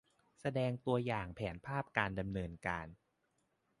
แสดงตัวอย่างแผนภาพการดำเนินการ